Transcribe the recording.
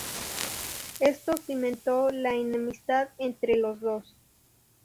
Esto cimentó la enemistad entre los dos.